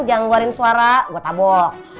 jangan keluarin suara gue tabok